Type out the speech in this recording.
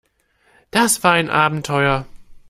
Das war ein Abenteuer.